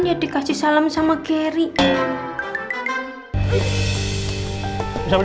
ya dikasih salam sama gary